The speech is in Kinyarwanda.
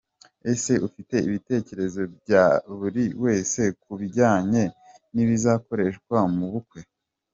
Ese ufite ibitekerezo bya buri wese ku binjyanye n’ibizakoreshwa mu bukwe ?.